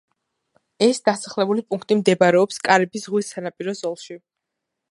ეს დასახლებული პუნქტი მდებარეობს კარიბის ზღვის სანაპირო ზოლში.